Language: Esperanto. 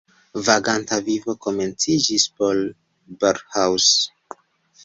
Vaganta vivo komenciĝis por Borrhaus.